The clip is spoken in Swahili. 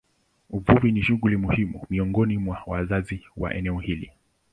Uvuvi ni shughuli muhimu miongoni mwa wakazi wa eneo hili.